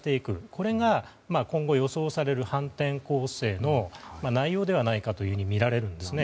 これが今後、予想される反転攻勢の内容ではないかとみられるんですね。